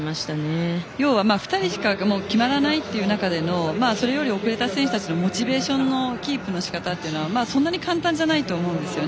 ２人しか決まらない中でのそれより遅れた選手のモチベーションのキープってそんなに簡単じゃないと思うんです。